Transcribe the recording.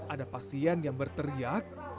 ada pasien yang berteriak